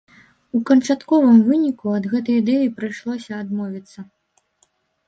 У канчатковым выніку, ад гэтай ідэі прыйшлося адмовіцца.